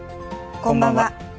こんばんは。